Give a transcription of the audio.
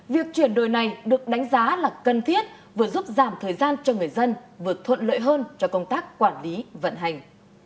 việc chuyển đổi này được đánh giá là cần thiết vừa giúp giảm thời gian cho người dân vừa thuận lợi hơn cho công tác quản lý vận hành